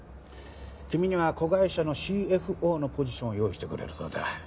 君には子会社のＣＦＯのポジションを用意してくれるそうだ